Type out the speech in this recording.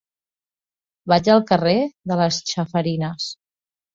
Vaig al carrer de les Chafarinas.